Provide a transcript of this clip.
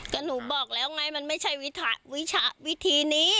ก็หนูบอกแล้วไงมันไม่ใช่วิถาวิชาวิธีนี้